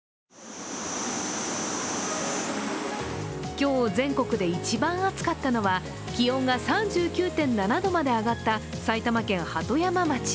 今日、全国で一番暑かったのは気温が３９．７度まで上がった埼玉県鳩山町。